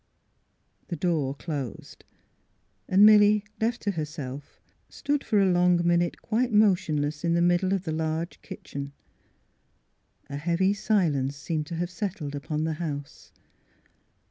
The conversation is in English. The door closed; and Milly, left to herself, stood for a long minute quite motionless in the middle of the large kitchen. A heavy silence seemed to have settled upon the house.